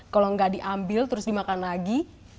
kalau nggak diambil terus dimakan lagi